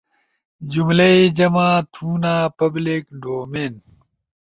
جملئی جمع تھونا، پبلک ڈومین